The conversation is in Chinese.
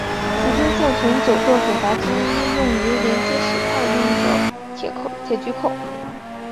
迄今现存九座水闸之一的用于连接石块用的铁锔扣。